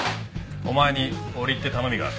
お前に折り入って頼みがある。